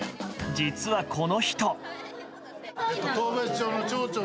実は、この人。